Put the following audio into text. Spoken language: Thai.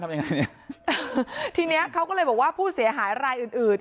ยังไงเนี้ยทีเนี้ยเขาก็เลยบอกว่าผู้เสียหายรายอื่นอื่น